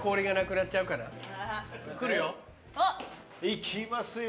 いきますよ。